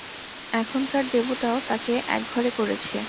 এখানকার দেবতাও তাকে একঘরে করেছে।